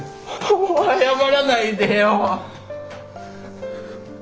謝らないでよ！